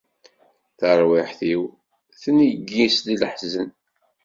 Tarwiḥt-iw tneggi si leḥzen.